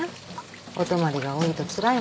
お泊まりが多いとつらいものね。